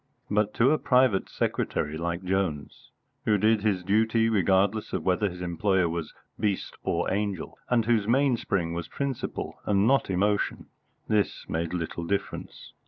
But to a private secretary like Jones, who did his duty regardless of whether his employer was beast or angel, and whose mainspring was principle and not emotion, this made little difference.